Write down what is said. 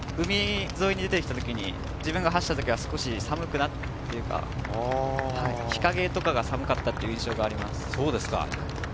海沿いに出てきたときに自分が走った時は少し寒くなって日陰とかが寒かったという印象があります。